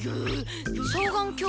双眼鏡！